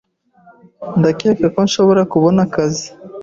Ndakeka ko nshobora kubona akazi.